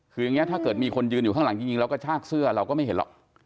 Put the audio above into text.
คืออย่างนี้ถ้าเกิดมีคนยืนอยู่ข้างหลังจริงเราก็ชากเสื้อเราก็ไม่เห็นหรอก